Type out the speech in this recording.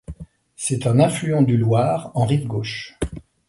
C'est un affluent du Loir en rive gauche.